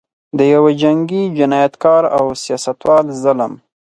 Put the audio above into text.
د یوه جنګي جنایتکار او سیاستوال ظلم.